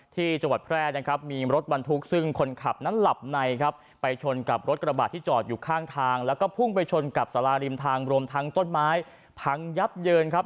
ที่จังหวัดแพร่นะครับมีรถบรรทุกซึ่งคนขับนั้นหลับในครับไปชนกับรถกระบาดที่จอดอยู่ข้างทางแล้วก็พุ่งไปชนกับสาราริมทางรวมทั้งต้นไม้พังยับเยินครับ